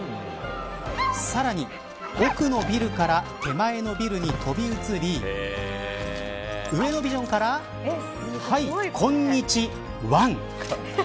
さらに奥のビルから手前のビルに飛び移り上のビジョンからはい、こんにちわん。